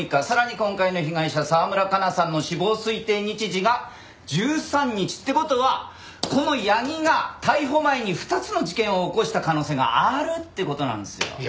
さらに今回の被害者澤村香奈さんの死亡推定日時が１３日。って事はこの八木が逮捕前に２つの事件を起こした可能性があるっていう事なんですよ。